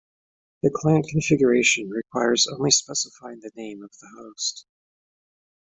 The client configuration requires only specifying the name of the host.